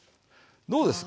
どうですか？